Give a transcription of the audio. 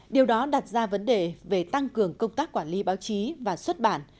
điều đó đặt ra vấn đề về tăng cường công tác quản lý báo chí và xuất bản